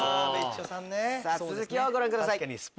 続きをご覧ください。